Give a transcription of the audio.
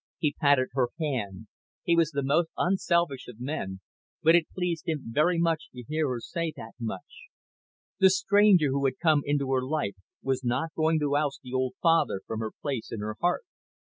He patted her hand. He was the most unselfish of men, but it pleased him very much to hear her say that much. The stranger who had come into her life was not going to oust the old father from his place in her heart.